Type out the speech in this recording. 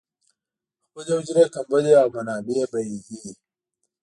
خپلې حجرې، کمبلې او منابع به یې وې.